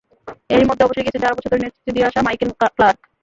এরই মধ্যে অবসরে গিয়েছেন চার বছর ধরে নেতৃত্ব দিয়ে আসা মাইকেল ক্লার্ক।